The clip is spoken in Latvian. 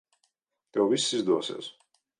Tev viss izdosies.